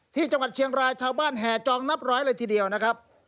ที่จังหวัดเชียงรายชาวบ้านแห่จองนับร้อยเลยทีเดียวนะครับ